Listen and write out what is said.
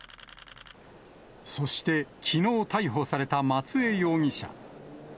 そして、きのう逮捕された松江容疑者。